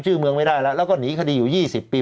ชื่อเมืองไม่ได้แล้วแล้วก็หนีคดีอยู่๒๐ปี